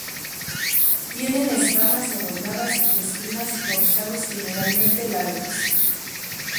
Tienen escamas adornadas y espinas dorsales generalmente largas.